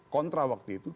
kontra waktu itu